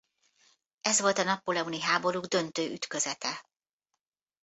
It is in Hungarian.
Ez volt a napóleoni háborúk döntő ütközete.